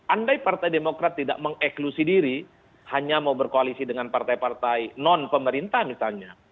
andai partai demokrat tidak mengeklusi diri hanya mau berkoalisi dengan partai partai non pemerintah misalnya